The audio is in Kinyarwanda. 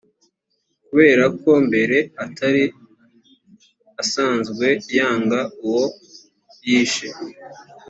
kubera ko mbere atari asanzwe yanga uwo yishe.